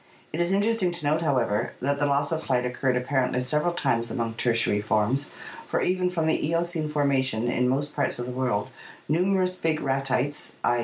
It is interesting to note, however, that the loss of flight occurred apparently several times among Tertiary forms, for even from the Eocene formation in most parts of the world numerous big Ratites (*".